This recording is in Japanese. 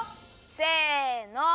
せの。